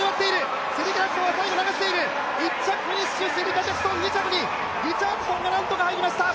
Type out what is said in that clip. １着フィニッシュ、シェリカ・ジャクソン、２着にリチャードソンがなんとか入りました。